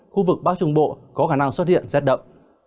khu vực bắc trung bộ có khả năng xuất hiện rét đậm